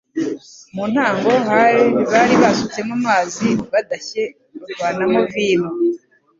Mu ntango, bari basutsemo amazi, badashye bavanamo vino.